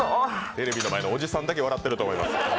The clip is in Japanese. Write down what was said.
テレビの前のおじさんだけ笑っていると思います。